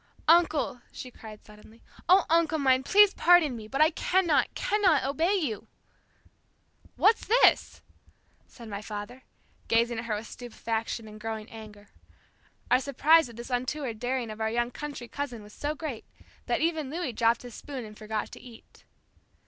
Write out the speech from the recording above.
"Uncle," she cried suddenly, "oh, uncle mine, please pardon me but I cannot, cannot obey you." "What's this?" said my father, gazing at her with stupefaction and growing anger. Our surprise at this untoward daring of our young country cousin was so great, that even Louis dropped his spoon and forgot to eat.